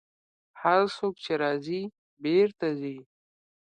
هر څوک چې راځي، بېرته ځي.